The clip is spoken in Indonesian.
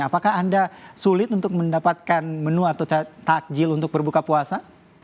apakah anda sulit untuk mendapatkan menu atau takjil untuk berbuka puasa